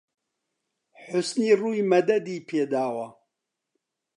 حوسنی ڕووی مەدەدی پێ داوە